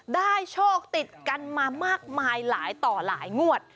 โชคติดกันมามากมายหลายต่อหลายงวด